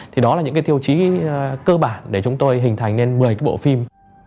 thì đó là những tiêu chí cơ bản để chúng tôi hình thành nên một mươi bộ phim